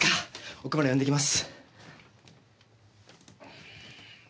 奥村呼んできます。